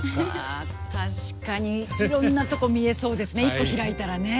あ確かにいろんなとこ見えそうですね一個開いたらね。